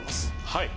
はい！